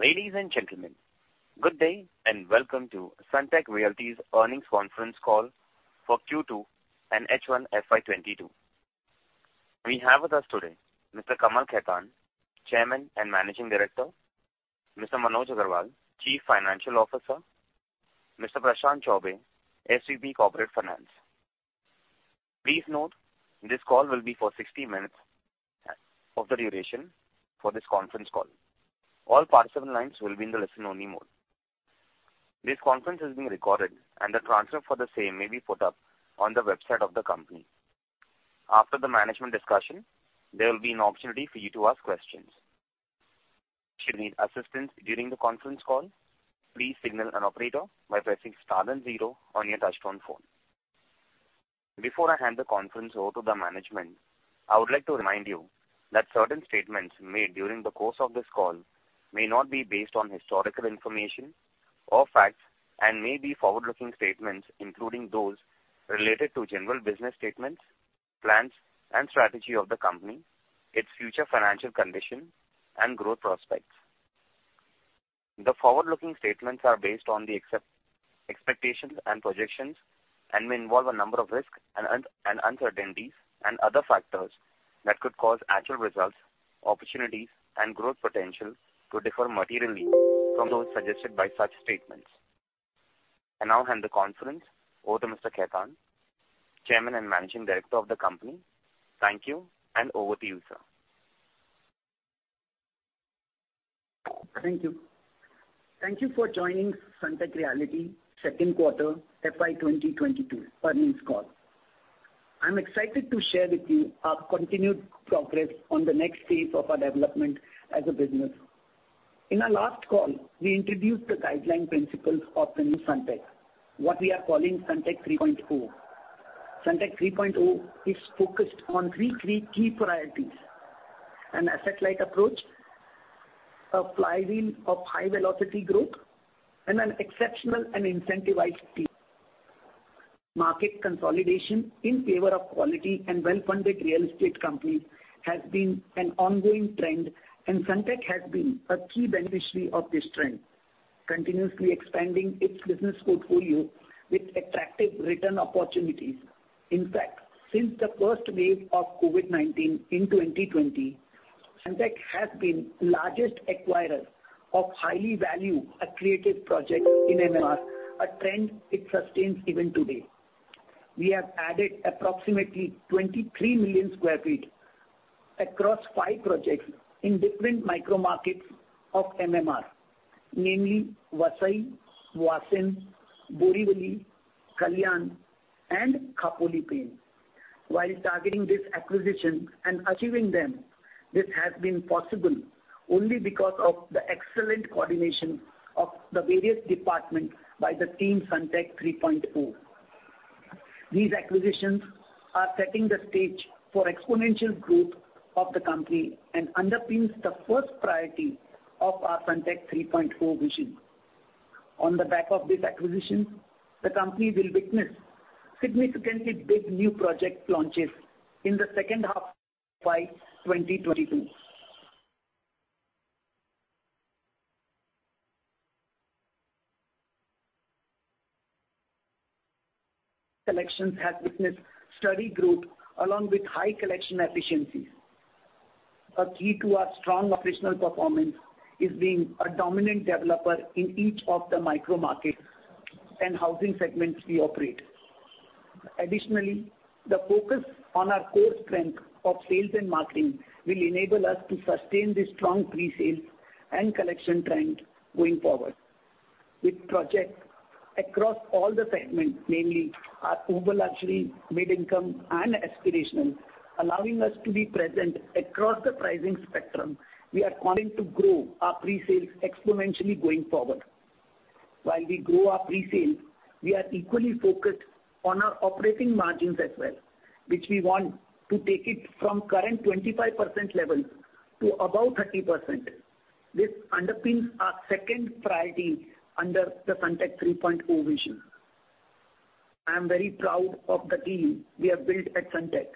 Ladies and gentlemen, good day and welcome to Sunteck Realty's earnings conference call for Q2 and H1 FY 2022. We have with us today Mr. Kamal Khetan, Chairman and Managing Director. Mr. Manoj Agarwal, Chief Financial Officer. Mr. Prashant Chaubey, SVP Corporate Finance. Please note this call will be for 60 minutes of the duration for this conference call. All participant lines will be in the listen-only mode. This conference is being recorded, and the transcript for the same may be put up on the website of the company. After the management discussion, there will be an opportunity for you to ask questions. Should you need assistance during the conference call, please signal an operator by pressing star then zero on your touchtone phone. Before I hand the conference over to the management, I would like to remind you that certain statements made during the course of this call may not be based on historical information or facts and may be forward-looking statements, including those related to general business statements, plans and strategy of the company, its future financial condition and growth prospects. The forward-looking statements are based on the current expectations and projections and may involve a number of risks and uncertainties and other factors that could cause actual results, opportunities and growth potential to differ materially from those suggested by such statements. I now hand the conference over to Mr. Khetan, Chairman and Managing Director of the company. Thank you, and over to you, sir. Thank you. Thank you for joining Sunteck Realty second quarter FY 2022 earnings call. I'm excited to share with you our continued progress on the next phase of our development as a business. In our last call, we introduced the guideline principles of the new Sunteck, what we are calling Sunteck 3.0. Sunteck 3.0 is focused on three key priorities, an asset-light approach, a flywheel of high velocity growth, and an exceptional and incentivized team. Market consolidation in favor of quality and well-funded real estate companies has been an ongoing trend, and Sunteck has been a key beneficiary of this trend, continuously expanding its business portfolio with attractive return opportunities. In fact, since the first wave of COVID-19 in 2020, Sunteck has been the largest acquirer of highly value accretive projects in MMR, a trend it sustains even today. We have added approximately 23 million sq ft across five projects in different micro markets of MMR, namely Vasai, Vasind, Borivali, Kalyan and Khopoli-Pen. While targeting these acquisitions and achieving them, this has been possible only because of the excellent coordination of the various departments by the team Sunteck 3.0. These acquisitions are setting the stage for exponential growth of the company and underpins the first priority of our Sunteck 3.0 vision. On the back of these acquisitions, the company will witness significantly big new project launches in the second half of FY 2022. Collections have witnessed steady growth along with high collection efficiencies. A key to our strong operational performance is being a dominant developer in each of the micro markets and housing segments we operate. Additionally, the focus on our core strength of sales and marketing will enable us to sustain the strong presales and collection trend going forward. With projects across all the segments, namely our ultra luxury, mid-income, and aspirational, allowing us to be present across the pricing spectrum, we are poised to grow our presales exponentially going forward. While we grow our presales, we are equally focused on our operating margins as well, which we want to take it from current 25% level to above 30%. This underpins our second priority under the Sunteck 3.0 vision. I am very proud of the team we have built at Sunteck.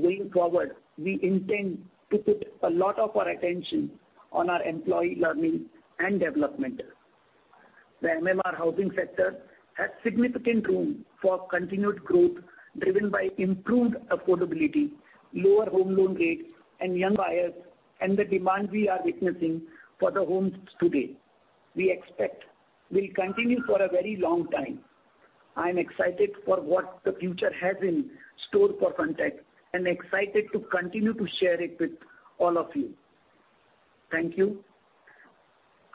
Going forward, we intend to put a lot of our attention on our employee learning and development. The MMR housing sector has significant room for continued growth, driven by improved affordability, lower home loan rates, and young buyers, and the demand we are witnessing for the homes today. We expect it will continue for a very long time. I am excited for what the future has in store for Sunteck and excited to continue to share it with all of you. Thank you.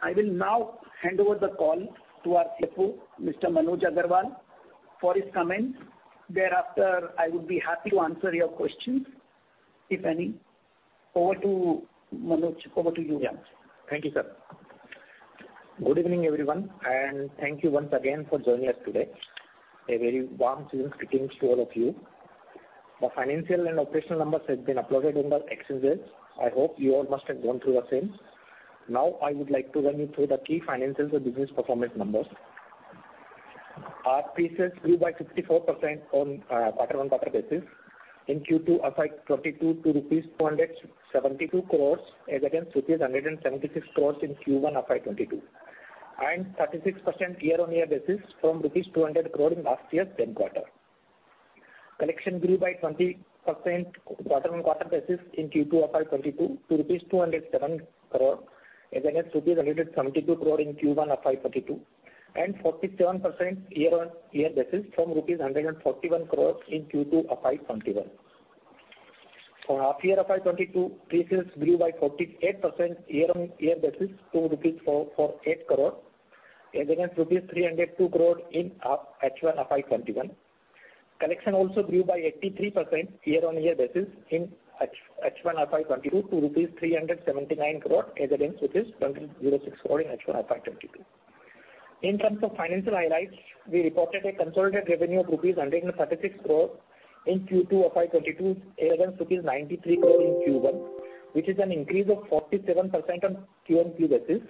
I will now hand over the call to our CFO, Mr. Manoj Agarwal, for his comments. Thereafter, I would be happy to answer your questions, if any. Over to Manoj. Over to you. Yeah. Thank you, sir. Good evening, everyone, and thank you once again for joining us today. A very warm greetings to all of you. The financial and operational numbers have been uploaded in the exchanges. I hope you all must have gone through the same. Now, I would like to run you through the key financials and business performance numbers. Our pre-sales grew by 54% on a quarter-on-quarter basis in Q2 FY 2022 to INR 272 crore as against INR 176 crore in Q1 FY 2022, and 36% year-on-year basis from INR 200 crore in last year's same quarter. Collections grew by 20% quarter-on-quarter basis in Q2 FY 2022 to rupees 207 crore as against rupees 172 crore in Q1 FY 2022, and 47% year-on-year basis from rupees 141 crore in Q2 FY 2021. For half year FY 2022, pre-sales grew by 48% year-on-year basis to 448 crore rupees as against rupees 302 crore in half H1 FY 2021. Collections also grew by 83% year-on-year in H1 FY 2022 to INR 379 crore as against INR 106 crore in H1 FY 2022. In terms of financial highlights, we reported a consolidated revenue of rupees 136 crore in Q2 of FY 2022 as against rupees 93 crore in Q1, which is an increase of 47% on Q-on-Q basis.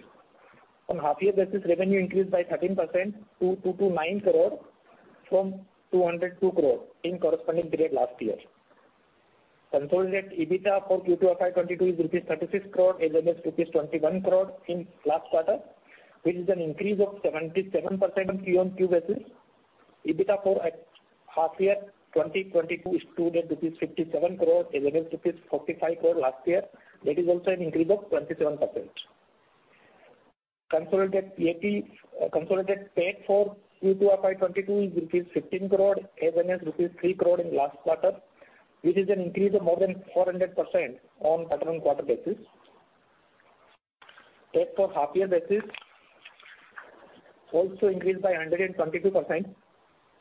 On half-year basis, revenue increased by 13% to 229 crore from 202 crore in corresponding period last year. Consolidated EBITDA for Q2 FY 2022 is rupees 36 crore as against rupees 21 crore in last quarter, which is an increase of 77% on Q-on-Q basis. EBITDA for half year 2022 stood at 57 crore as against rupees 45 crore last year. That is also an increase of 27%. Consolidated PAT for Q2 FY 2022 is rupees 15 crore as against rupees 3 crore in last quarter, which is an increase of more than 400% on quarter-on-quarter basis. PAT for half year basis also increased by 122%.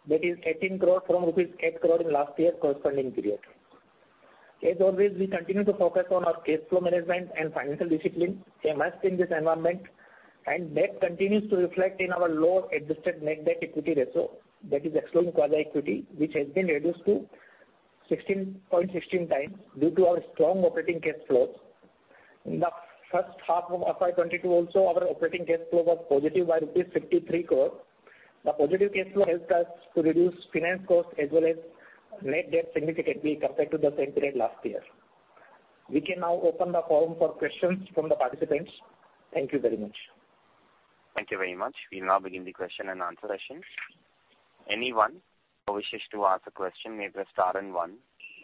That is 18 crore from rupees 8 crore in last year corresponding period. As always, we continue to focus on our cash flow management and financial discipline amidst this environment, and that continues to reflect in our low adjusted net debt equity ratio. That is excluding quasi equity, which has been reduced to 16.16x due to our strong operating cash flows. In the first half of FY 2022 also, our operating cash flow was positive by rupees 53 crore. The positive cash flow helped us to reduce finance costs as well as net debt significantly compared to the same period last year. We can now open the forum for questions from the participants. Thank you very much. Thank you very much. We now begin the question-and-answer session. Anyone who wishes to ask a question may press star and one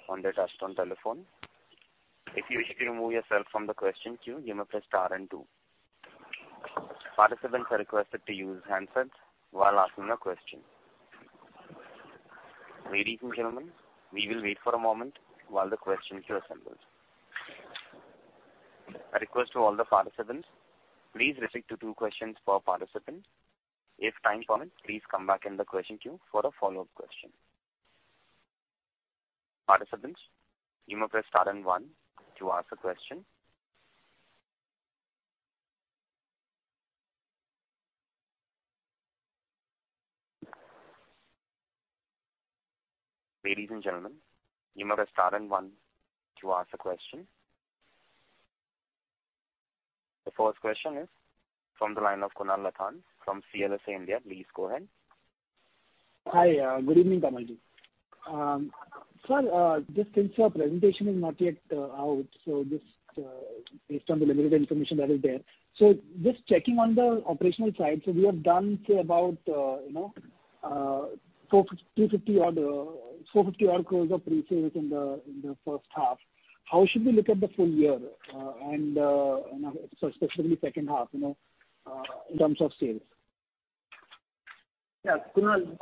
on their touchtone telephone. If you wish to remove yourself from the question queue, you may press star and two. Participants are requested to use handsets while asking a question. Ladies and gentlemen, we will wait for a moment while the questions are assembled. A request to all the participants. Please restrict to two questions per participant. If time permits, please come back in the question queue for a follow-up question. Participants, you may press star and one to ask a question. Ladies and gentlemen, you may press star and one to ask a question. The first question is from the line of Kunal Lakhan from CLSA India. Please go ahead. Hi, good evening, Kamalji. Sir, just since your presentation is not yet out, just based on the limited information that is there. Just checking on the operational side. We have done, say, about, you know, INR 350 odd, 450 odd crore of pre-sales in the first half. How should we look at the full year? You know, specifically second half, you know, in terms of sales? Yeah, Kunal,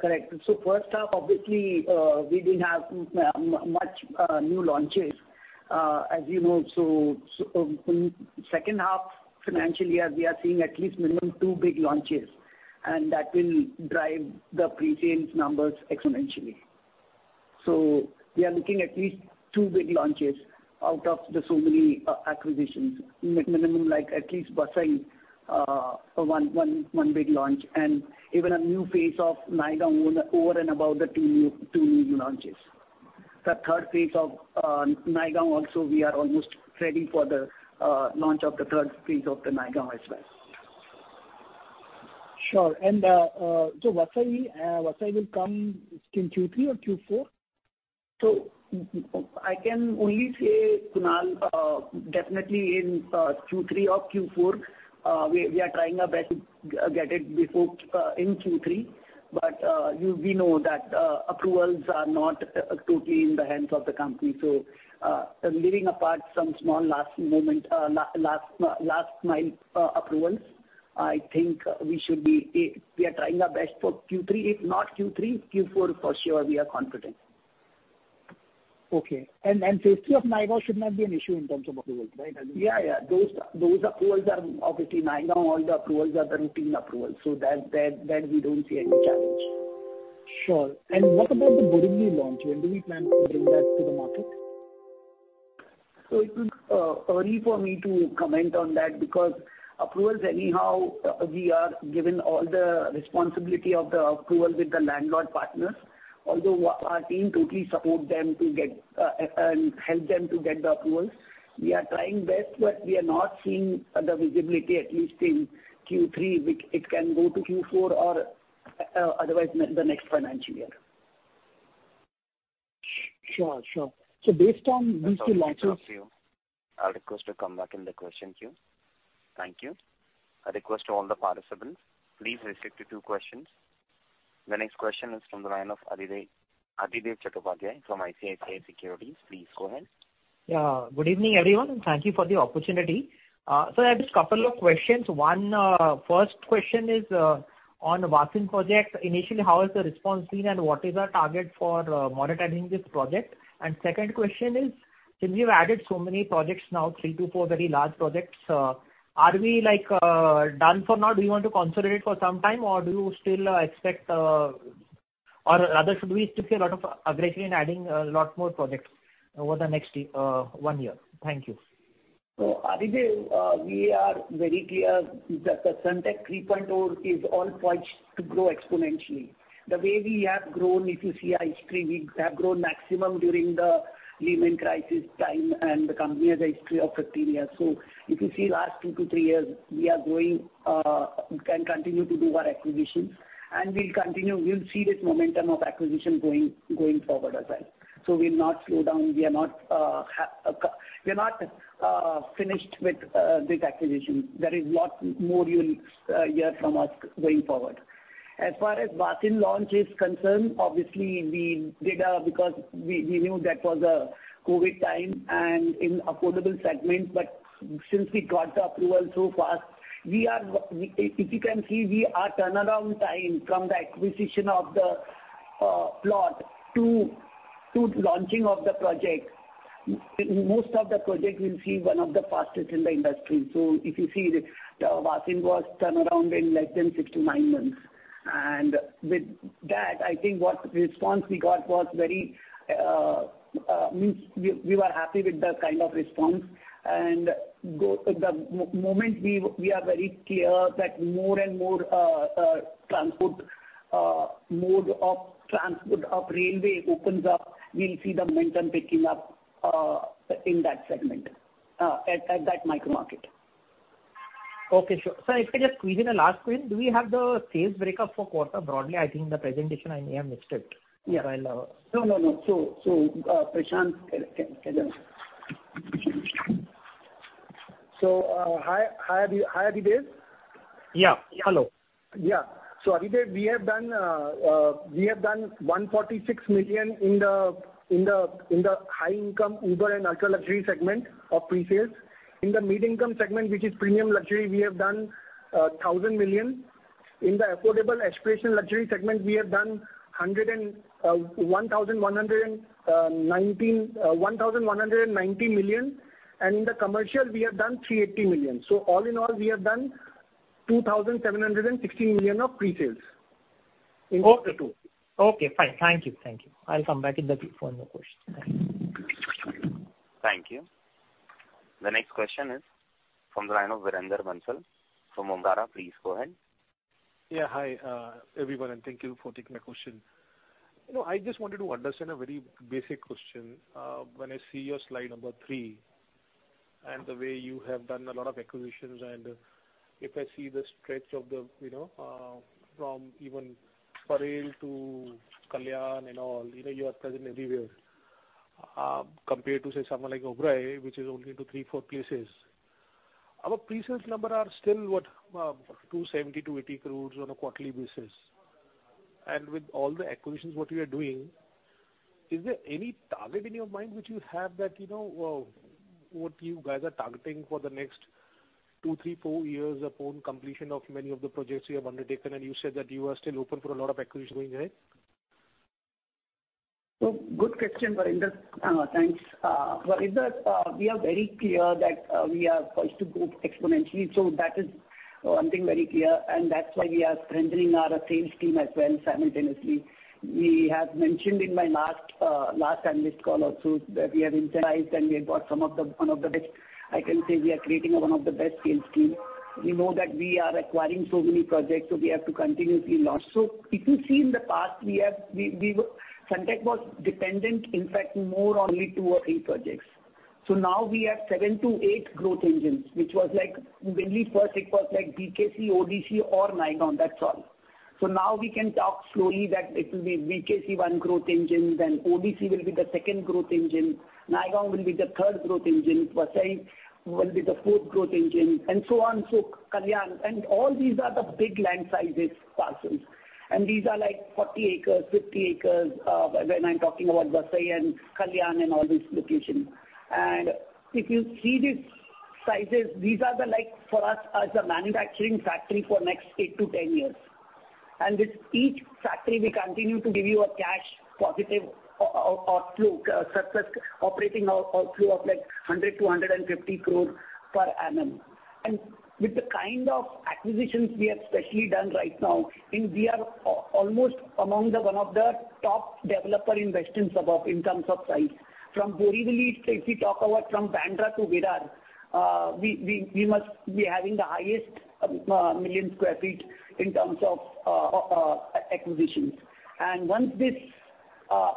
correct. First half, obviously, we didn't have much new launches, as you know. Second half financial year, we are seeing at least minimum two big launches, and that will drive the pre-sales numbers exponentially. We are looking at least two big launches out of the so many acquisitions. Minimum, like at least Vasai one big launch and even a new phase of Naigaon over and above the two new launches. The third phase of Naigaon also we are almost ready for the launch of the third phase of the Naigaon as well. Sure. Vasai will come in Q3 or Q4? I can only say, Kunal, definitely in Q3 or Q4. We are trying our best to get it before in Q3. You know that approvals are not totally in the hands of the company. Leaving apart some small last moment last mile approvals, I think we should be. We are trying our best for Q3. If not Q3, Q4 for sure we are confident. Okay. Phase III of Naigaon should not be an issue in terms of approvals, right? Yeah, yeah. Those approvals are obviously Naigaon. All the approvals are the routine approvals that we don't see any challenge. Sure. What about the Borivali launch? When do we plan to bring that to the market? It is early for me to comment on that because approvals anyhow, we are given all the responsibility of the approval with the landlord partners. Although our team totally support them and help them to get the approvals. We are trying best, but we are not seeing the visibility at least in Q3, which it can go to Q4 or otherwise the next financial year. Sure, sure. Based on these two launches. That's all we have time for you. I request to come back in the question queue. Thank you. I request to all the participants, please restrict to two questions. The next question is from the line of Adhidev Chattopadhyay from ICICI Securities. Please go ahead. Good evening, everyone, and thank you for the opportunity. I have just a couple of questions. One, first question is on Vasind project. Initially, how is the response been and what is our target for monetizing this project? Second question is, since you've added so many projects now, three to four very large projects, are we like done for now? Do you want to consolidate for some time, or do you still expect, or rather, should we still see a lot of aggression in adding a lot more projects over the next one year? Thank you. Adhidev, we are very clear that the Sunteck 3.0 is all poised to grow exponentially. The way we have grown, if you see our history, we have grown maximum during the Lehman crisis time and the company has a history of 15 years. If you see last two to three years, we are growing and continue to do our acquisitions, and we'll continue. We'll see this momentum of acquisition going forward as well. We'll not slow down. We are not finished with this acquisition. There is lot more you'll hear from us going forward. As far as Vasind launch is concerned, obviously we did because we knew that was a COVID time and in affordable segment. But since we got the approval so fast, we are... If you can see, our turnaround time from the acquisition of the plot to launching of the project. Most of the project will see one of the fastest in the industry. If you see the Vasind's turnaround in less than 69 months. With that, I think what response we got was very encouraging. I mean, we were happy with the kind of response. The moment we are very clear that more and more modes of transport of railway open up, we'll see the momentum picking up in that segment at that micro market. Okay, sure. Sir, if I just squeeze in a last question. Do we have the sales breakup for quarter broadly? I think the presentation. I may have missed it. Yeah. I'll. No. Prashant can answer. Hi, Adhidev. Yeah. Hello. Yeah. Adhidev, we have done 146 million in the high income upper and ultra-luxury segment of pre-sales. In the mid-income segment, which is premium luxury, we have done 1,000 million. In the affordable aspirational luxury segment, we have done 1,190 million. In the commercial we have done 380 million. All in all, we have done 2,760 million of pre-sales in quarter two. Okay, fine. Thank you. Thank you. I'll come back in the queue for more questions. Thank you. Thank you. The next question is from the line of Varinder Bansal from Omkara. Please go ahead. Yeah. Hi, everyone, and thank you for taking my question. You know, I just wanted to understand a very basic question. When I see your slide number three and the way you have done a lot of acquisitions, and if I see the stretch of the, you know, from even Parel to Kalyan and all, you know, you are present everywhere. Compared to, say, someone like Oberoi, which is only into three, four places. Our pre-sales number are still, what, 270 crore-280 crore on a quarterly basis. With all the acquisitions what you are doing, is there any target in your mind which you have that you know, what you guys are targeting for the next two, three, four years upon completion of many of the projects you have undertaken, and you said that you are still open for a lot of acquisitions going ahead? Good question, Varinder. Thanks. Varinder, we are very clear that we are poised to grow exponentially, so that is one thing very clear. That's why we are strengthening our sales team as well simultaneously. We have mentioned in my last analyst call also that we have internalized and we have got one of the best. I can say we are creating one of the best sales team. We know that we are acquiring so many projects, so we have to continuously launch. If you see in the past we have Sunteck was dependent, in fact, more on only two or three projects. Now we have seven to eight growth engines, which was like when we first it was like BKC, ODC or Naigaon, that's all. Now we can talk slowly that it will be BKC one growth engine, then ODC will be the second growth engine. Naigaon will be the third growth engine. Vasai will be the fourth growth engine and so on. Kalyan and all these are the big land sizes parcels, and these are like 40 acres, 50 acres, when I'm talking about Vasai and Kalyan and all these locations. If you see these sizes, these are the like for us as a manufacturing factory for next 8-10 years. This each factory will continue to give you a cash positive cash flow, successful operating cash flow of like 100 crore-150 crore per annum. With the kind of acquisitions we have specially done right now, and we are almost among the one of the top developer in Western suburb in terms of size. From Borivali, if we talk about from Bandra to Virar, we must be having the highest million square feet in terms of acquisitions. Once this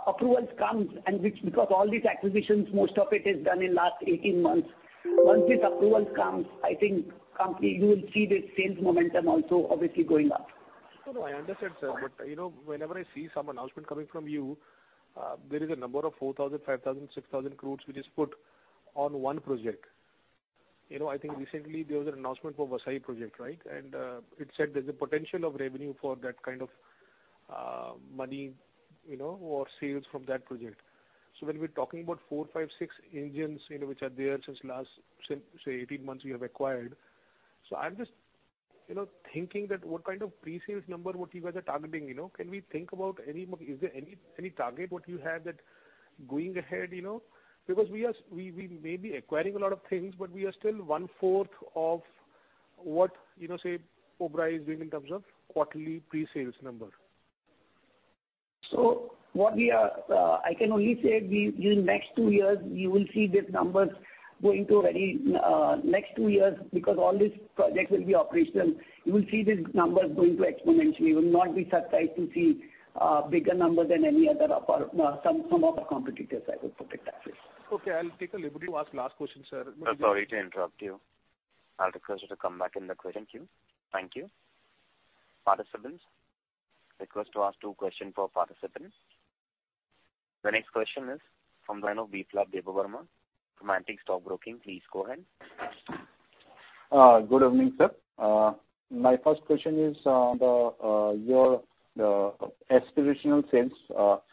approvals comes and which, because all these acquisitions, most of it is done in last 18 months. Once this approval comes, I think company, you will see the sales momentum also obviously going up. No, no, I understand, sir. You know, whenever I see some announcement coming from you, there is a number of 4,000 crore, 5,000 crore, 6,000 crore which is put on one project. You know, I think recently there was an announcement for Vasai project, right? It said there's a potential of revenue for that kind of money, you know, or sales from that project. When we're talking about 4, 5, 6 acres, you know, which are there since last, say, 18 months we have acquired. I'm just, you know, thinking that what kind of pre-sales number you guys are targeting, you know? Is there any target what you have that going ahead, you know? Because we are, we may be acquiring a lot of things, but we are still one-fourth of what, you know, say, Oberoi is doing in terms of quarterly pre-sales number. I can only say, in next two years, you will see these numbers going to very next two years because all these projects will be operational. You will see these numbers going to exponentially. You will not be surprised to see bigger numbers than any other of our some of our competitors. I would put it that way. Okay, I'll take the liberty to ask last question, sir. Sorry to interrupt you. I'll request you to come back in the queue. Thank you. Thank you. Participants are requested to ask two questions per participant. The next question is from the line of Biplab Debbarma from Antique Stock Broking. Please go ahead. Good evening, sir. My first question is, your aspirational sales. Out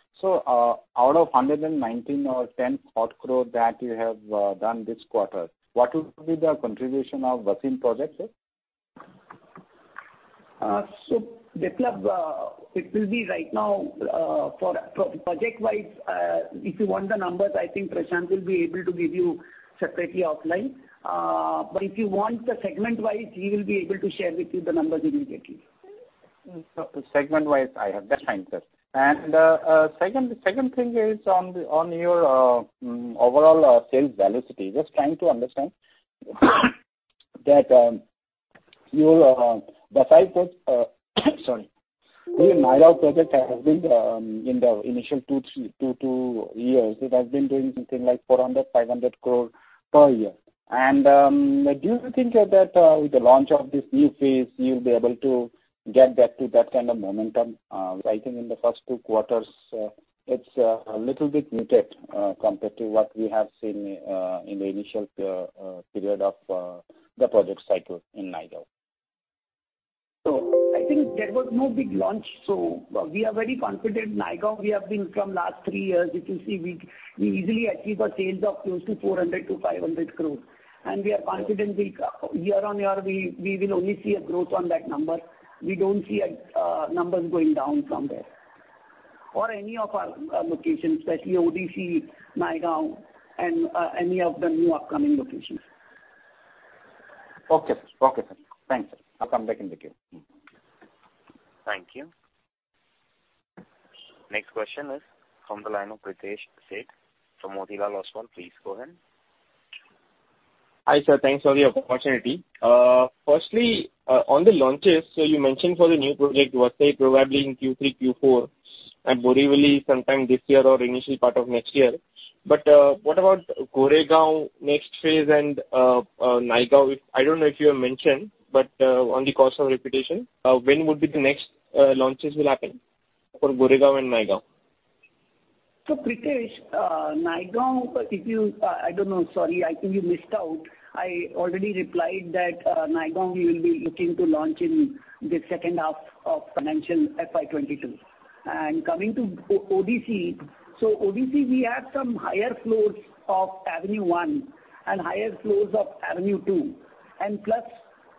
of 119 crore or 120 crore that you have done this quarter, what would be the contribution of Vasai project, sir? Biplab, it will be right now for project-wise, if you want the numbers, I think Prashant will be able to give you separately offline. If you want the segment-wise, he will be able to share with you the numbers immediately. Segment-wise, I have. That's fine, sir. Second thing is on your overall sales velocity. Just trying to understand that your Naigaon project has been, in the initial two, three years, it has been doing something like 400 crore-500 crore per year. Do you think that with the launch of this new phase, you'll be able to get back to that kind of momentum? I think in the first two quarters, it's a little bit muted compared to what we have seen in the initial period of the project cycle in Naigaon. I think there was no big launch. We are very confident. Naigaon, we have been from last three years, you can see we easily achieve sales of close to 400 crore-500 crore. We are confident year-on-year we will only see a growth on that number. We don't see numbers going down from there. Any of our locations, especially ODC, Naigaon and any of the new upcoming locations. Okay, sir. Thanks, sir. I'll come back in the queue. Thank you. Next question is from the line of Pritesh Sheth from Motilal Oswal. Please go ahead. Hi, sir. Thanks for the opportunity. Firstly, on the launches, you mentioned for the new project Vasai probably in Q3, Q4, and Borivali sometime this year or initial part of next year. What about Goregaon next phase and Naigaon? I don't know if you have mentioned, but in the course of repetition, when would be the next launches will happen for Goregaon and Naigaon? Pritesh, Naigaon, if you, I don't know. Sorry, I think you missed out. I already replied that, Naigaon we will be looking to launch in the second half of FY 2022. Coming to ODC we have some higher floors of Avenue 1 and higher floors of Avenue 2, plus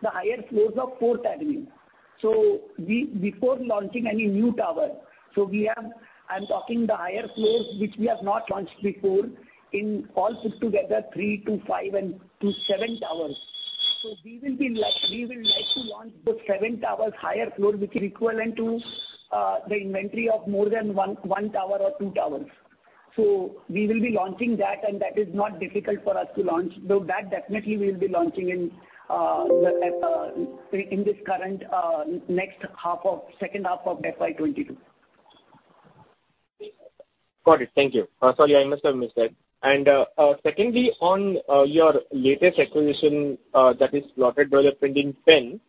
the higher floors of Fourth Avenue. We, before launching any new tower, we have, I'm talking the higher floors which we have not launched before, in all put together three to five and to seven towers. We will be like, we will like to launch those seven towers higher floor, which is equivalent to the inventory of more than one tower or two towers. We will be launching that, and that is not difficult for us to launch. Though that definitely we'll be launching in the second half of FY 2022. Got it. Thank you. Sorry, I must have missed that. Secondly, on your latest acquisition, that is plotted development in Pen.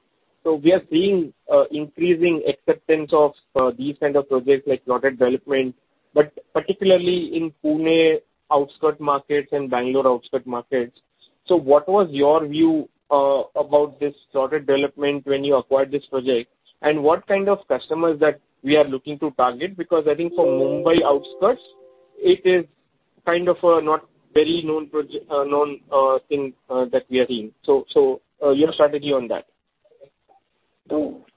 We are seeing increasing acceptance of these kind of projects like plotted development, but particularly in Pune outskirt markets and Bangalore outskirt markets. What was your view about this plotted development when you acquired this project? What kind of customers that we are looking to target? Because I think for Mumbai outskirts, it is kind of a not very known thing that we are seeing. Your strategy on that.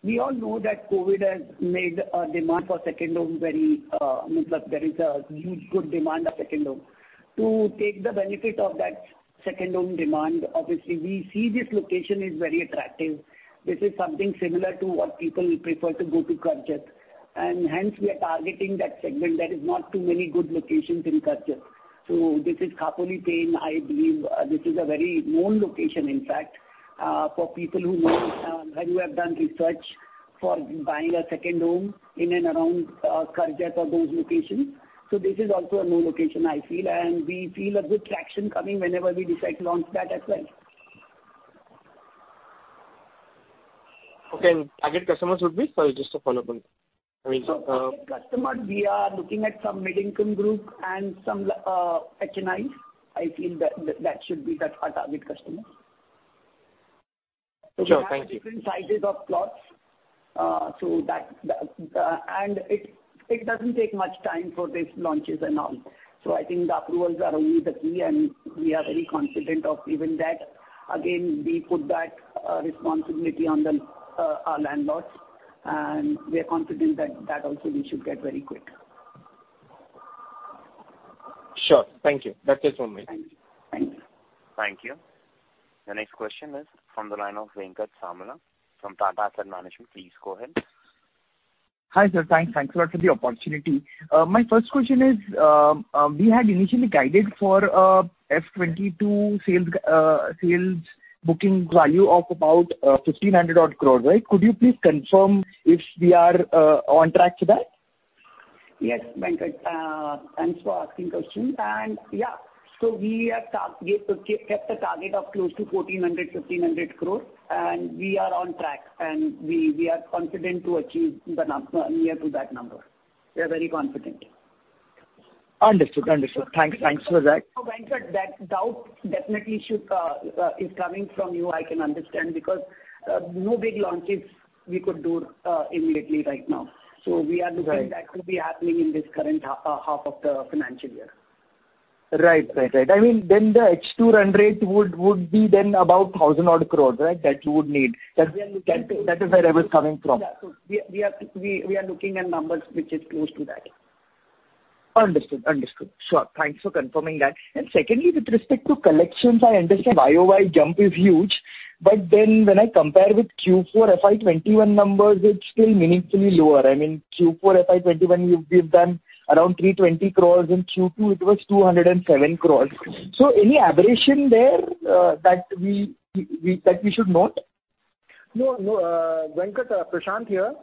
We all know that COVID has made a demand for second home very, I mean, like there is a huge good demand of second home. To take the benefit of that second home demand, obviously we see this location is very attractive. This is something similar to what people prefer to go to Karjat. Hence we are targeting that segment. There is not too many good locations in Karjat. This is Khopoli-Pen, I believe, this is a very known location, in fact, for people who know and who have done research for buying a second home in and around Kharghar for those locations. This is also a new location, I feel, and we feel a good traction coming whenever we decide to launch that as well. Okay. Target customers would be? Sorry, just to follow up on, I mean. Target customers, we are looking at some mid-income group and some HNI. I feel that should be our target customers. Sure. Thank you. We have different sizes of plots, so that it doesn't take much time for these launches and all. I think the approvals are only the key, and we are very confident of even that. Again, we put that responsibility on our landlords, and we are confident that that also we should get very quick. Sure. Thank you. That's all for me. Thank you. Thank you. The next question is from the line of Venkat Samala from Tata Asset Management. Please go ahead. Hi, sir. Thanks a lot for the opportunity. My first question is, we had initially guided for FY 2022 sales booking value of about 1,500 crore, right? Could you please confirm if we are on track to that? Yes, Venkat. Thanks for asking question. Yeah, so we have kept a target of close to 1,400 crores- 1,500 crores, and we are on track, and we are confident to achieve near to that number. We are very confident. Understood. Thanks for that. Venkat, that doubt definitely is coming from you. I can understand, because no big launches we could do immediately right now. We are looking- Right. that to be happening in this current half of the financial year. Right. I mean, then the H2 run-rate would be then about 1,000-odd crores, right? That you would need. We are looking to. That is where I was coming from. Yeah. We are looking at numbers which is close to that. Understood. Sure. Thanks for confirming that. Secondly, with respect to collections, I understand YoY jump is huge, but then when I compare with Q4 FY 2021 numbers, it's still meaningfully lower. I mean, Q4 FY 2021, you've done around 320 crores. In Q2, it was 207 crores. Any aberration there that we should note? No, no. Prashant here.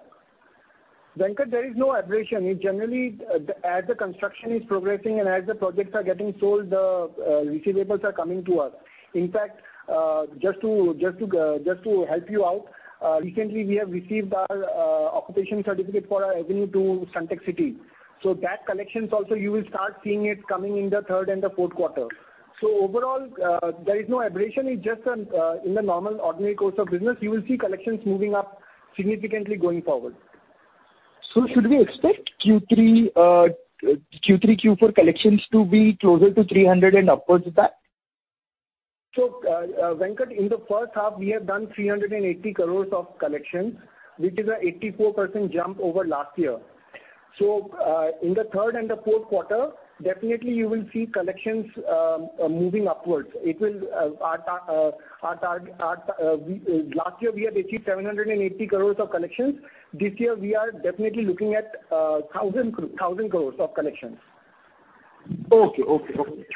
Venkat, there is no aberration. It generally, as the construction is progressing and as the projects are getting sold, receivables are coming to us. In fact, just to help you out, recently we have received our occupation certificate for our Sunteck City. That collections also you will start seeing it coming in the third and the fourth quarter. Overall, there is no aberration. It's just in the normal ordinary course of business, you will see collections moving up significantly going forward. Should we expect Q3, Q4 collections to be closer to 300 crores and upwards of that? Venkat, in the first half we have done 380 crores of collections, which is an 84% jump over last year. In the third and the fourth quarter, definitely you will see collections moving upwards. Our target last year we had achieved 780 crores of collections. This year we are definitely looking at 1,000 crores of collections. Okay.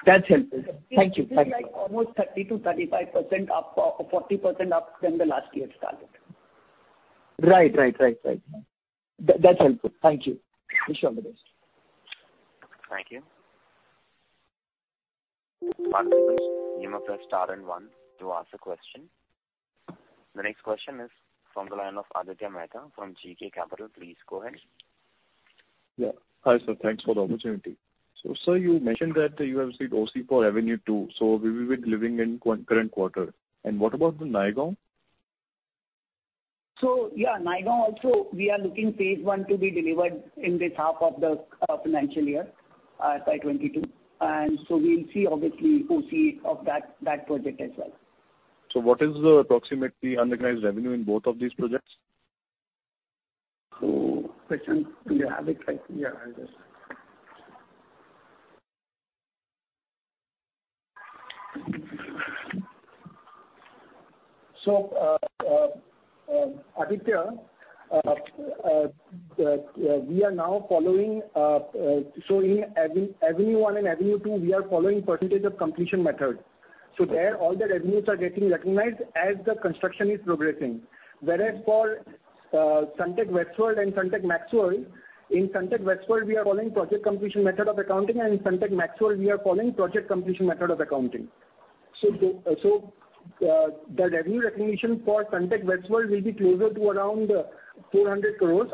That's helpful. Thank you. It will be like almost 30%-35% up or 40% up from the last year's target. Right. That's helpful. Thank you. Wish you all the best. Thank you. Participants, you may press star and one to ask a question. The next question is from the line of Aditya Mehta from G.K. Capital. Please go ahead. Hi, sir. Thanks for the opportunity. Sir, you mentioned that you have received OC for Avenue two, so we will be delivering in current quarter. What about the Naigaon? Naigaon also we are looking phase one to be delivered in this half of the financial year, FY 2022. We'll see obviously OC of that project as well. What is the approximately unrecognized revenue in both of these projects? Prashant, do you have it? Aditya, we are now following in Avenue 1 and Avenue 2 percentage of completion method. There all the revenues are getting recognized as the construction is progressing. Whereas for Sunteck WestWorld and Sunteck MaxXWorld, in Sunteck WestWorld we are following project completion method of accounting, and in Sunteck MaxXWorld we are following project completion method of accounting. The revenue recognition for Sunteck WestWorld will be closer to around 400 crore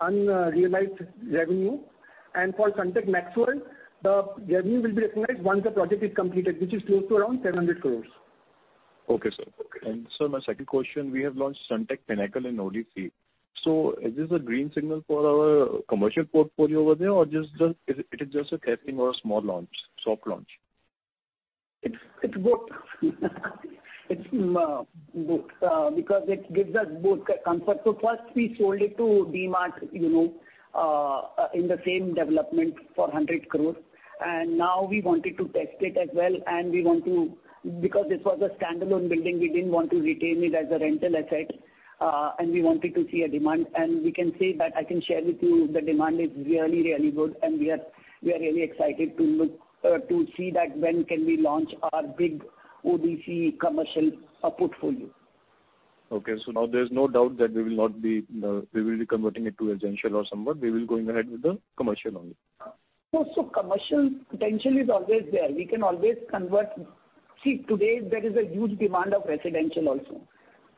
unrealized revenue. For Sunteck MaxXWorld, the revenue will be recognized once the project is completed, which is close to around 700 crore. Okay, sir. Sir, my second question, we have launched Sunteck Pinnacle in ODC. Is this a green signal for our commercial portfolio over there or just it is a testing or a small launch, soft launch? It's both. It's both because it gives us both comfort. First we sold it to DMart, you know, in the same development for 100 crores. Now we wanted to test it as well and we want to because it was a standalone building, we didn't want to retain it as a rental asset, and we wanted to see a demand. We can say that I can share with you the demand is really, really good, and we are really excited to look to see that when can we launch our big ODC commercial portfolio. Okay. Now there's no doubt that we will not be converting it to a residential or something, we will be going ahead with the commercial only. Commercial potential is always there. We can always convert. See, today there is a huge demand of residential also.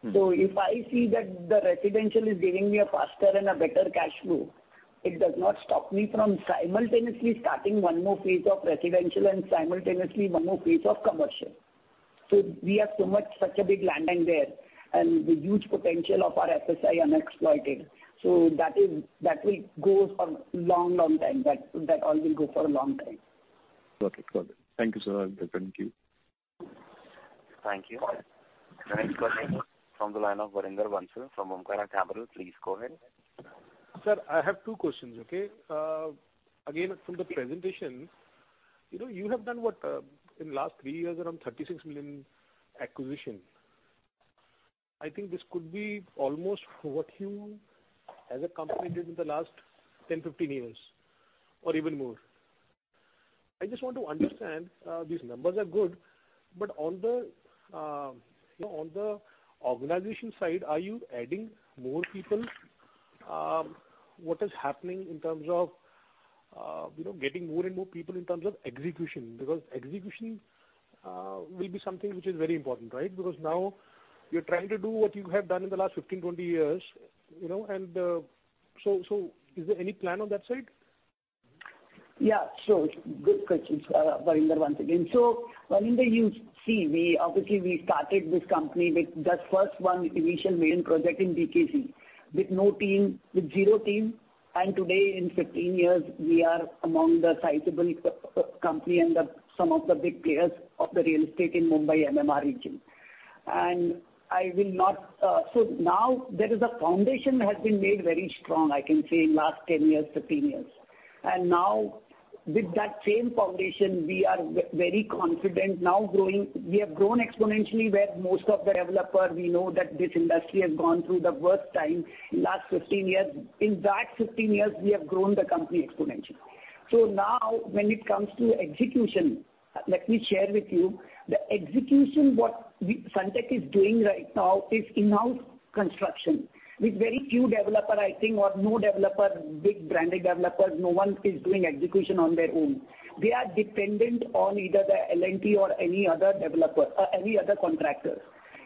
Mm-hmm. If I see that the residential is giving me a faster and a better cash flow, it does not stop me from simultaneously starting one more phase of residential and simultaneously one more phase of commercial. We have so much, such a big land bank there and the huge potential of our FSI unexploited. That will go for long, long time. That all will go for a long time. Okay. Got it. Thank you, sir. I'll get back in the queue. Thank you. The next question from the line of Varinder Bansal from Omkara Capital. Please go ahead. Sir, I have two questions, okay. Again, from the presentation, you know, you have done what in last three years around 36 million acquisition. I think this could be almost what you as a company did in the last 10, 15 years or even more. I just want to understand, these numbers are good, but on the, you know, on the organization side, are you adding more people? What is happening in terms of, you know, getting more and more people in terms of execution? Because execution will be something which is very important, right? Because now you're trying to do what you have done in the last 15, 20 years, you know, and so is there any plan on that side? Yeah. Good questions, Varinder, once again. Varinder, you see, we obviously started this company with the first one initial million project in BKC with no team, with zero team. Today, in 15 years we are among the sizable company and some of the big players of the real estate in Mumbai MMR region. Now there is a foundation has been made very strong, I can say in last 10 years, 15 years. Now with that same foundation, we are very confident now growing. We have grown exponentially whereas most of the developers, we know that this industry has gone through the worst time in last 15 years. In that 15 years, we have grown the company exponentially. Now when it comes to execution, let me share with you the execution Sunteck is doing right now is in-house construction with very few developers, I think, or no developers. Big branded developers, no one is doing execution on their own. They are dependent on either the L&T or any other developer or any other contractor.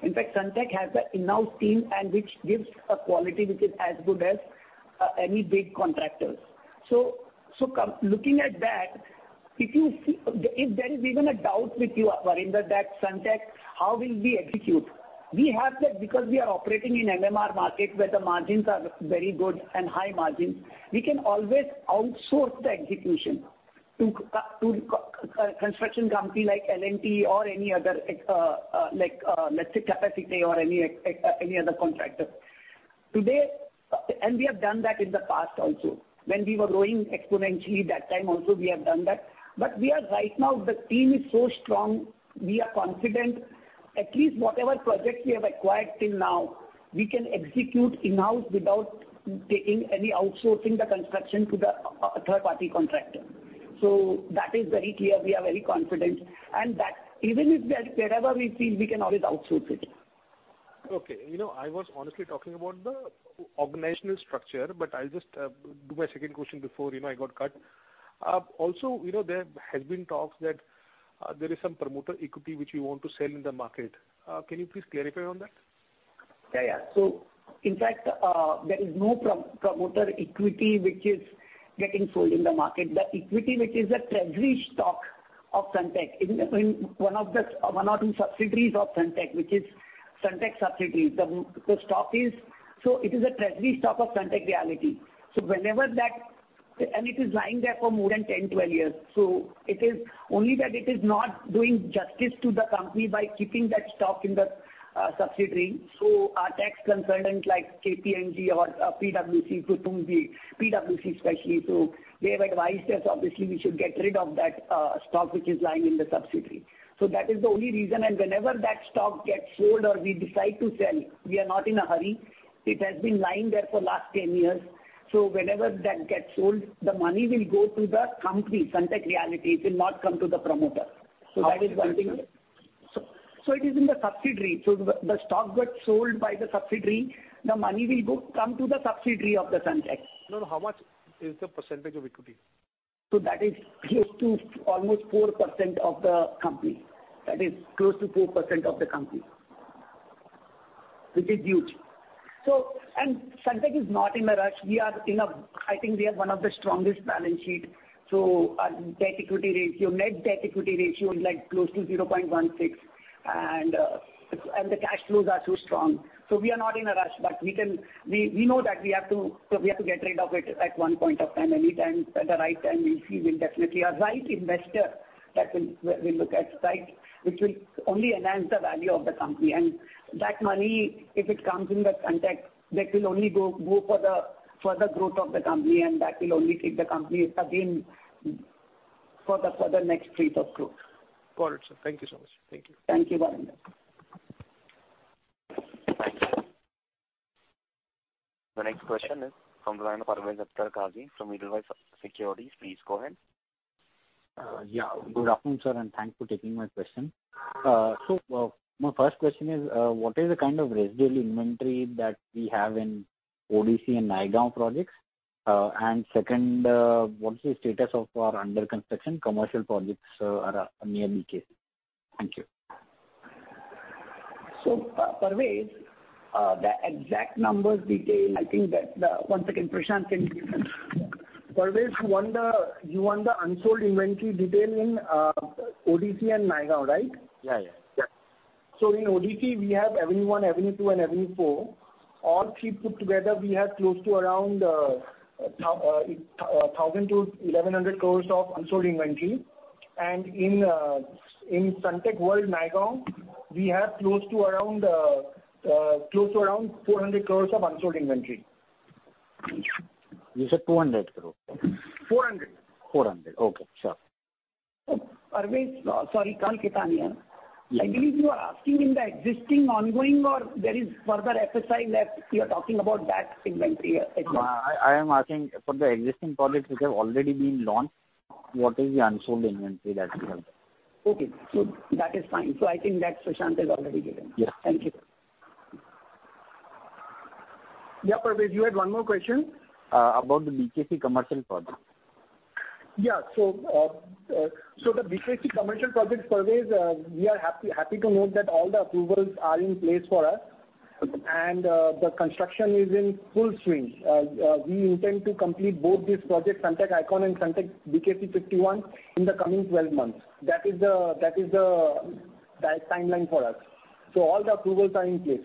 In fact, Sunteck has an in-house team and which gives a quality which is as good as any big contractors. Looking at that, if you see, if there is even a doubt with you Varinder that Sunteck, how will we execute? We have that because we are operating in MMR market where the margins are very good and high margins. We can always outsource the execution to construction company like L&T or any other, like, let's say Capacit'e or any other contractor. We have done that in the past also. When we were growing exponentially that time also we have done that. We are right now the team is so strong, we are confident at least whatever projects we have acquired till now, we can execute in-house without taking any outsourcing the construction to the third party contractor. That is very clear. We are very confident. That even if that wherever we feel, we can always outsource it. Okay. You know, I was honestly talking about the organizational structure, but I'll just do my second question before, you know, I got cut. Also, you know, there has been talks that there is some promoter equity which you want to sell in the market. Can you please clarify on that? Yeah. In fact, there is no promoter equity which is getting sold in the market. The equity which is a treasury stock of Sunteck in one of the subsidiaries of Sunteck, which is Sunteck subsidiary. The stock is a treasury stock of Sunteck Realty. It is lying there for more than 10, 12 years. It is only that it is not doing justice to the company by keeping that stock in the subsidiary. Our tax consultants like KPMG or PwC, the PwC especially, have advised us obviously we should get rid of that stock which is lying in the subsidiary. That is the only reason and whenever that stock gets sold or we decide to sell, we are not in a hurry. It has been lying there for last 10 years. Whenever that gets sold, the money will go to the company, Sunteck Realty. It will not come to the promoter. That is one thing. How much is it, sir? It is in the subsidiary. The stock got sold by the subsidiary. The money will come to the subsidiary of the Sunteck. No, no. How much is the percentage of equity? That is close to almost 4% of the company. That is close to 4% of the company, which is huge. Sunteck is not in a rush. We are in a I think we have one of the strongest balance sheet. Our debt equity ratio, net debt equity ratio is like close to 0.16. The cash flows are too strong. We are not in a rush. But we can, we know that we have to, so we have to get rid of it at one point of time, anytime at the right time we'll see, we'll definitely a right investor that will look at site, which will only enhance the value of the company. That money, if it comes in the Sunteck, that will only go for the growth of the company and that will only take the company again for the next phase of growth. Got it, sir. Thank you so much. Thank you. Thank you, Varinder. Thank you. The next question is from the line of Parvez Akhtar Qazi from Edelweiss Securities. Please go ahead. Good afternoon, sir, and thanks for taking my question. My first question is, what is the kind of residual inventory that we have in ODC and Naigaon projects? Second, what is the status of our under construction commercial projects, around near BKC? Thank you. Parvez, the exact numbers detail, I think that one second, Prashant can give them. Parvez, you want the unsold inventory detail in ODC and Naigaon, right? Yeah, yeah. In ODC we have Avenue 1, Avenue 2, and Avenue 4. All three put together, we have close to around 1,000 crore-1,100 crore of unsold inventory. In Sunteck World Naigaon, we have close to around 400 crore of unsold inventory. You said 200 crores? 400 crore. 400 core. Okay. Sure. Parvez, sorry, Kamal Khetan here. Yeah. I believe you are asking about the existing ongoing or there is further exercise that you are talking about inventory or. I am asking for the existing projects which have already been launched. What is the unsold inventory that we have? Okay. That is fine. I think that Prashant has already given. Yes. Thank you. Yeah, Parvez, you had one more question. About the BKC commercial projects. Yeah, the BKC commercial projects, Parvez, we are happy to note that all the approvals are in place for us, and the construction is in full swing. We intend to complete both these projects, Sunteck ICON and Sunteck BKC 51, in the coming 12 months. That is the timeline for us. All the approvals are in place.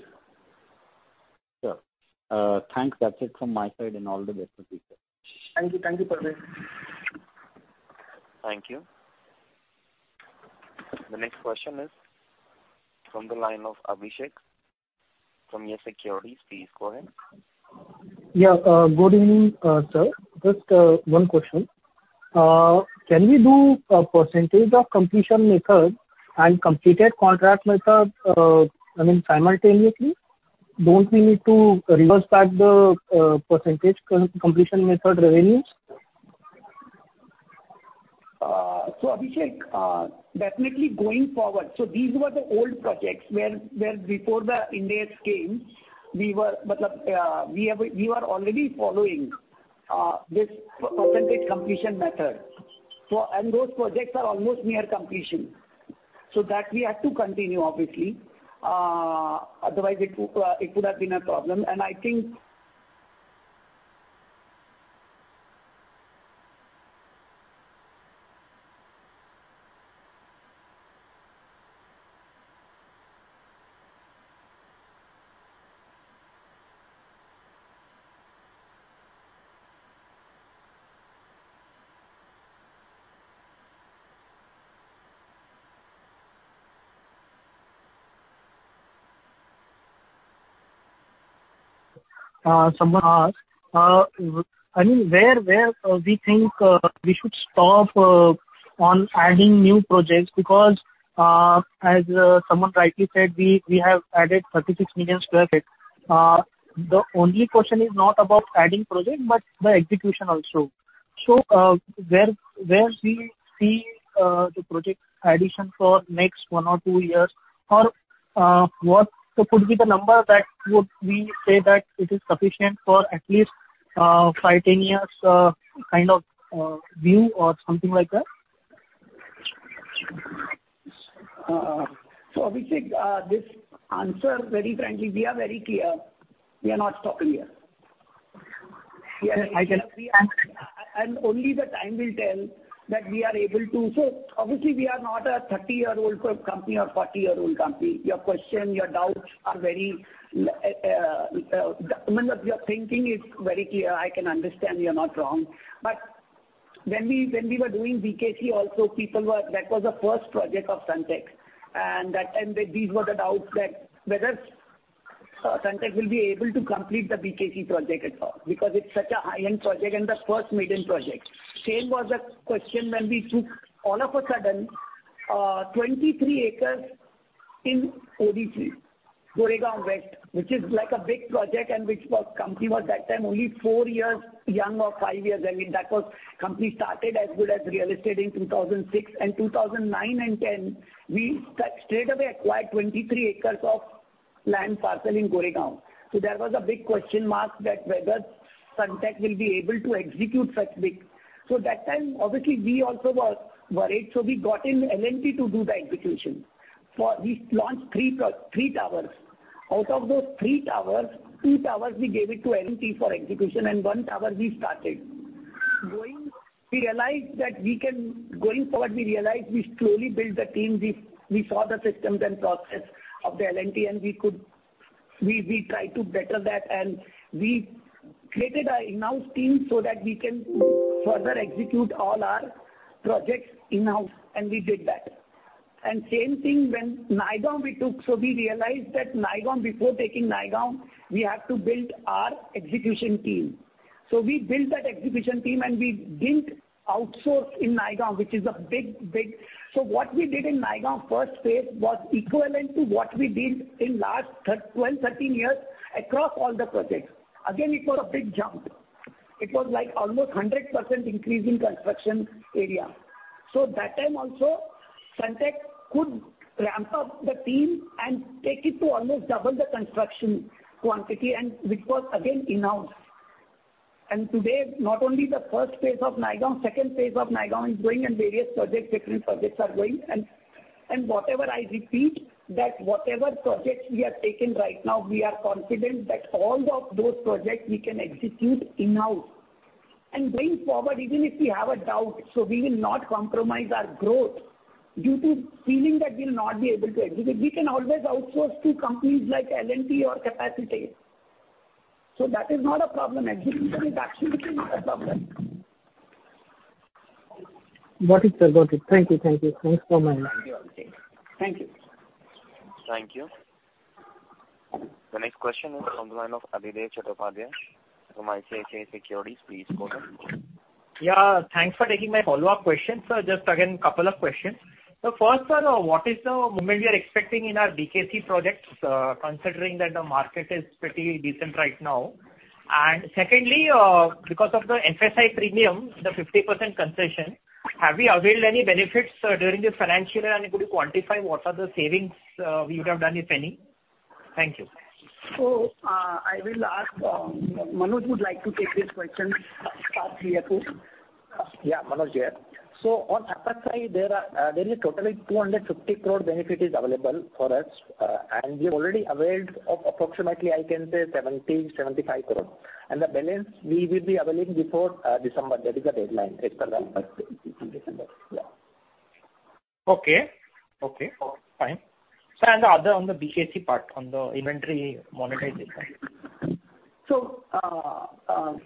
Sure. Thanks. That's it from my side and all the best for future. Thank you. Thank you, Parvez. Thank you. The next question is from the line of Abhishek from Yes Securities. Please go ahead. Yeah. Good evening, sir. Just, one question. Can we do a percentage of completion method and completed contract method, I mean, simultaneously? Don't we need to reverse back the percentage completion method revenues? Abhishek, definitely going forward. These were the old projects where before the Ind AS came, we were matlab we were already following this percentage completion method. Those projects are almost near completion. That we have to continue obviously. Otherwise it could have been a problem. I think. Samarth. I mean, where we think we should stop on adding new projects because, as Samarth rightly said, we have added 36 million sq ft. The only question is not about adding project, but the execution also. Where we see the project addition for next one or two years or what could be the number that would we say that it is sufficient for at least five, 10 years kind of view or something like that? Abhishek, to answer very frankly, we are very clear. We are not stopping here. I can. Only time will tell that we are able to. So obviously we are not a 30-year-old company or 40-year-old company. Your question, your doubts are very... Your thinking is very clear. I can understand you're not wrong. But when we were doing BKC also, people were. That was the first project of Sunteck and these were the doubts that whether Sunteck will be able to complete the BKC project at all because it's such a high-end project and the first maiden project. Same was the question when we took all of a sudden 23 acres in ODC, Goregaon West, which is like a big project and the company was that time only four years young or five years only. The company started as good as real estate in 2006. and 2010, we straightaway acquired 23 acres of land parcel in Goregaon. There was a big question mark that whether Sunteck will be able to execute such big. That time obviously we also were worried. We got in L&T to do the execution. We launched three towers. Out of those three towers, two towers we gave it to L&T for execution and one tower we started. Going forward, we realized we slowly built the team. We saw the systems and process of the L&T, and we tried to better that, and we created an in-house team so that we can further execute all our projects in-house, and we did that. Same thing when Naigaon we took. We realized that Naigaon, before taking Naigaon, we had to build our execution team. We built that execution team and we didn't outsource in Naigaon, which is a big. What we did in Naigaon first phase was equivalent to what we did in last 12, 13 years across all the projects. It was a big jump. It was like almost 100% increase in construction area. That time also, Sunteck could ramp up the team and take it to almost double the construction quantity, which was again in-house. Today, not only the first phase of Naigaon, second phase of Naigaon is going and various projects, different projects are going. Whatever I repeat, whatever projects we have taken right now, we are confident that all of those projects we can execute in-house. Going forward, even if we have a doubt, so we will not compromise our growth due to feeling that we'll not be able to execute. We can always outsource to companies like L&T or Capacit'e. That is not a problem. Execution is absolutely not a problem. Got it, sir. Thank you. Thanks so much. Thank you. Thank you. The next question is on the line of Adhidev Chattopadhyay from ICICI Securities. Please go ahead. Yeah, thanks for taking my follow-up question. Just again, couple of questions. First, sir, what is the movement we are expecting in our BKC projects, considering that the market is pretty decent right now? And secondly, because of the FSI premium, the 50% concession, have we availed any benefits during this financial year? And could you quantify what are the savings we would have done, if any? Thank you. I will ask Manoj would like to take this question. Ask him to. Yeah, Manoj here. On FSI, there is totally 250 crore benefit available for us, and we've already availed of approximately, I can say 70 crore-75 crore. The balance we will be availing before December. That is the deadline, December, yeah. Okay. Fine. The other on the BKC part, on the inventory monetization.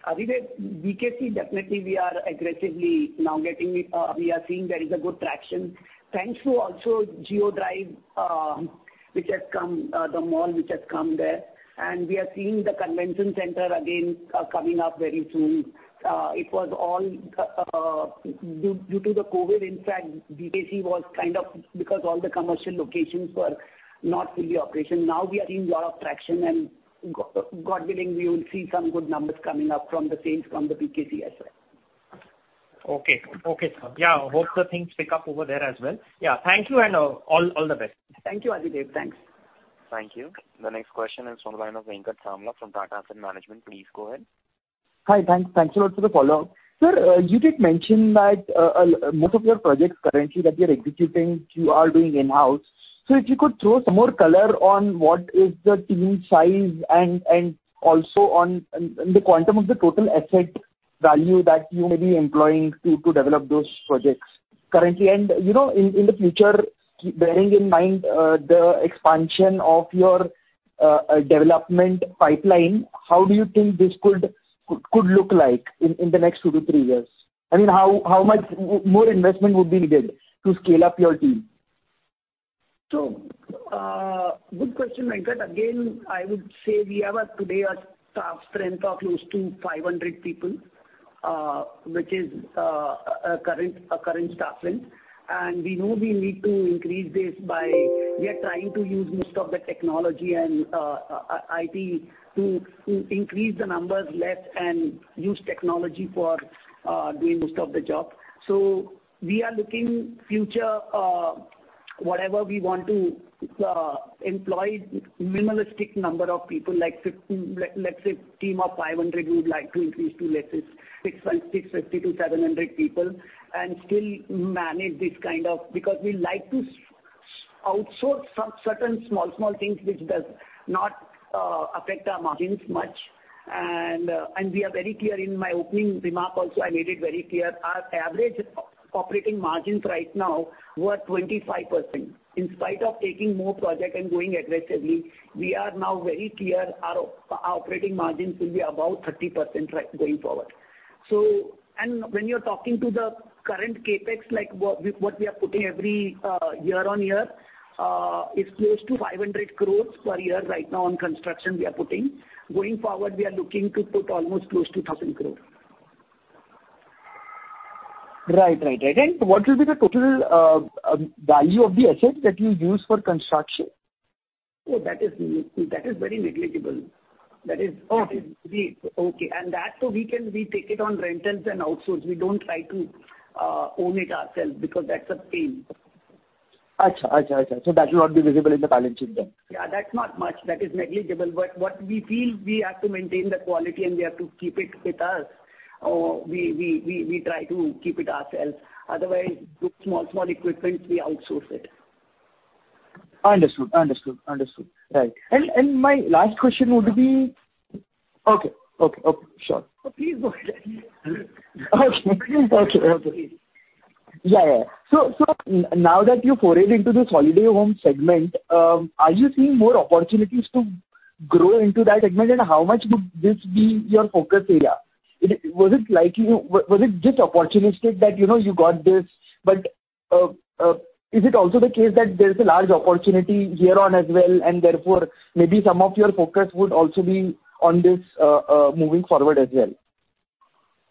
Adhidev, BKC definitely we are aggressively now getting it. We are seeing there is good traction. Thanks to also Jio Drive, which has come, the mall which has come there. We are seeing the convention center again, coming up very soon. It was all due to the COVID. In fact, BKC was kind of because all the commercial locations were not fully operational. Now we are seeing a lot of traction, and God willing, we will see some good numbers coming up from the sales from the BKC as well. Okay. Okay, sir. Yeah, hope the things pick up over there as well. Yeah. Thank you and all the best. Thank you, Adhidev. Thanks. Thank you. The next question is from the line of Venkat Samala from Tata Asset Management. Please go ahead. Hi, thanks. Thanks a lot for the follow-up. Sir, you did mention that most of your projects currently that you are executing, you are doing in-house. If you could throw some more color on what is the team size and also on the quantum of the total asset value that you may be employing to develop those projects currently. You know, in the future, keeping in mind the expansion of your development pipeline, how do you think this could look like in the next two to three years? I mean, how much more investment would be needed to scale up your team? Good question, Venkat Samala. Again, I would say we have today a staff strength of close to 500 people, which is a current staff strength. We know we need to increase this. We are trying to use most of the technology and IT to increase the numbers less and use technology for doing most of the job. We are looking in the future, whatever we want to employ minimal number of people, like let's say team of 500 we would like to increase to, let's say 650 to 700 people and still manage this kind of business. Because we like to outsource some small things which does not affect our margins much. We are very clear. In my opening remark also, I made it very clear, our average operating margins right now were 25%. In spite of taking more project and going aggressively, we are now very clear our operating margins will be above 30% right, going forward. When you're talking to the current CapEx, like what we are putting every year-on-year is close to 500 crore per year right now on construction we are putting. Going forward, we are looking to put almost close to 1,000 crore. Right. What will be the total value of the assets that you use for construction? That is very negligible. Oh, okay. We take it on rentals and outsource. We don't try to own it ourselves because that's a pain. That will not be visible in the balance sheet then. Yeah, that's not much. That is negligible. What we feel we have to maintain the quality and we have to keep it with us, we try to keep it ourselves. Otherwise, small equipment, we outsource it. Understood. Right. My last question would be. Yeah. Okay. Sure. Please go ahead. Okay. Yeah. So now that you forayed into this holiday home segment, are you seeing more opportunities to grow into that segment? And how much would this be your focus area? Was it like, you know, was it just opportunistic that, you know, you got this, but is it also the case that there's a large opportunity here as well, and therefore maybe some of your focus would also be on this moving forward as well?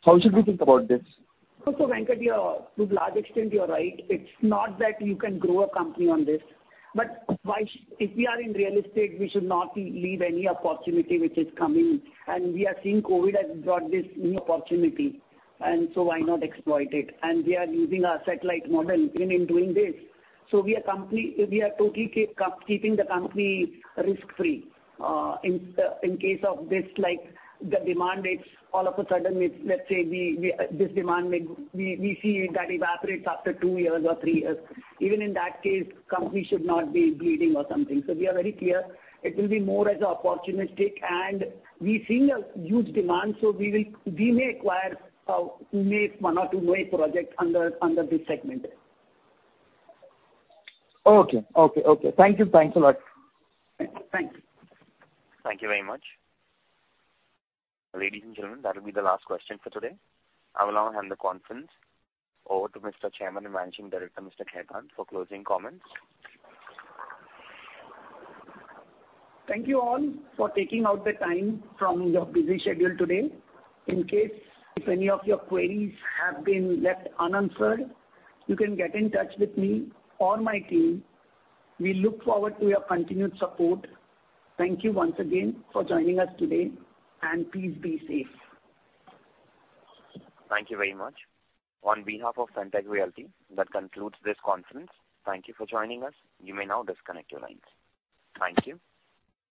How should we think about this? Venkat, you're to a large extent you're right. It's not that you can grow a company on this, but why, if we are in real estate, we should not leave any opportunity which is coming. We are seeing COVID has brought this new opportunity. Why not exploit it? We are using our satellite model even in doing this. We are totally keeping the company risk-free. In case of this, like the demand is all of a sudden it's, let's say this demand may we see that evaporates after two years or three years. Even in that case, company should not be bleeding or something. We are very clear it will be more as a opportunistic and we're seeing a huge demand, so we may acquire, we may sponsor one or two more projects under this segment. Okay. Thank you. Thanks a lot. Thank you. Thank you very much. Ladies and gentlemen, that will be the last question for today. I will now hand the conference over to the Chairman and Managing Director, Mr. Kamal Khetan, for closing comments. Thank you all for taking out the time from your busy schedule today. In case if any of your queries have been left unanswered, you can get in touch with me or my team. We look forward to your continued support. Thank you once again for joining us today, and please be safe. Thank you very much. On behalf of Sunteck Realty, that concludes this conference. Thank you for joining us. You may now disconnect your lines. Thank you.